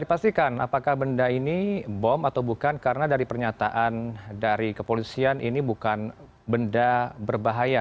pastikan apakah benda ini bom atau bukan karena dari pernyataan dari kepolisian ini bukan benda berbahaya